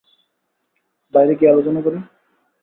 বাইরে গিয়ে আলোচনা করি?